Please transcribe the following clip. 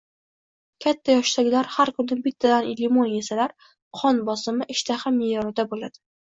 Katta yoshdagilar har kuni bittadan limon yesalar, qon bosimi, ishtaha me’yorida bo‘ladi.